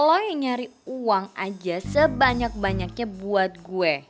lo yang nyari uang aja sebanyak banyaknya buat gue